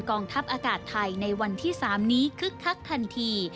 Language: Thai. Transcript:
กองทัพอากาศไทยในวันที่๓นี้คึกคักทันที